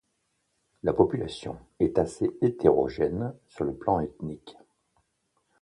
La population est assez hétérogène sur le plan ethnique.